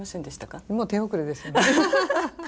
もう手遅れです。